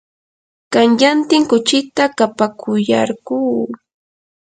qanyantin kuchita kapakuyarquu.